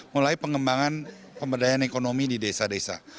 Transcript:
mulai pengembangan pemberdayaan ekonomi di desa desa